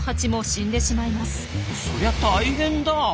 そりゃ大変だ。